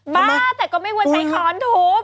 บ้าแต่ก็ไม่เวื่อใช้ครอนทรบ